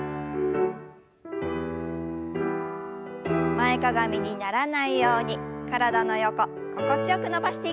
前かがみにならないように体の横心地よく伸ばしていきましょう。